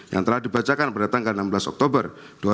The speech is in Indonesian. yang telah dibacakan pada tanggal enam belas oktober dua ribu dua puluh